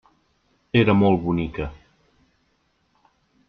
Era molt bonica.